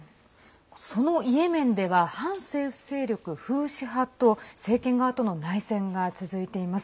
そのイエメンでは反政府勢力フーシ派と政権側との内戦が続いています。